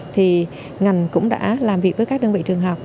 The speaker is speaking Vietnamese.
thì ngành cũng đã làm việc với các đơn vị trường học